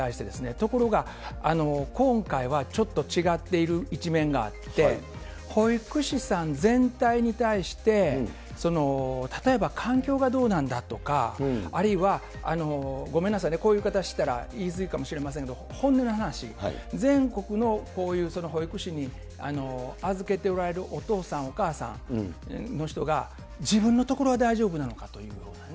ところが、今回はちょっと違っている一面があって、保育士さん全体に対して、例えば環境がどうなんだとか、あるいは、ごめんなさいね、こういう言い方したら言いづらいかもしれませんけれども、本音の話、全国のこういう保育士に預けておられるお父さん、お母さんの人が、自分のところは大丈夫なのかというようなね。